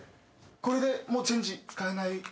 これでもうチェンジ使えない。